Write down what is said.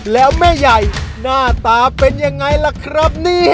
แล้วแม่ใหญ่หน้าตาเป็นยังไงล่ะครับนี่